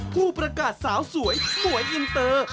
ผู้ประกาศสาวสวยสวยอินเตอร์